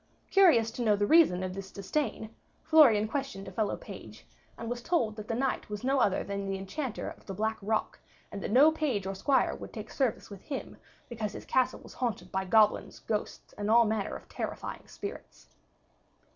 Curious to know the reason of this disdain, Florian questioned a fellow page, and was told that the knight was no other than the Enchanter of the Black Rock, and that no page or squire would take service with him because his castle was haunted by goblins, ghosts, and all manner of terrifying spirits.